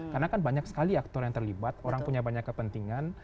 karena kan banyak sekali aktor yang terlibat orang punya banyak kepentingan